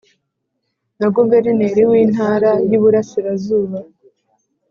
na Guverineri w’Intara y’Iburasirazuba